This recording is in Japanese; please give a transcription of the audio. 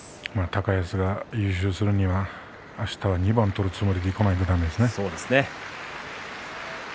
高安が優勝するにはあしたは２番取るつもりでいかないといけませんね。